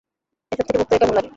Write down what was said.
এসব থেকে মুক্ত হয়ে কেমন লাগে?